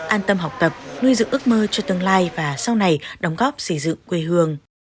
an tâm học tập nuôi dựng ước mơ cho tương lai và sau này đóng góp xây dựng quê hương